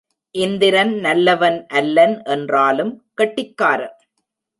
இந்திரன் நல்லவன் அல்லன் என்றாலும், கெட்டிக்காரன்.